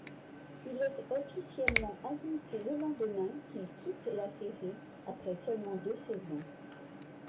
Il est officiellement annoncé le lendemain qu'il quitte la série après seulement deux saisons.